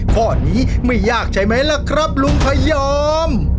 ข้อนี้ไม่ยากใช่ไหมล่ะครับลุงพยอม